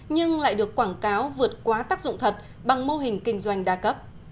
nhưng lại được quảng cáo vượt quá tác dụng thật bằng mô hình kinh doanh đa cấp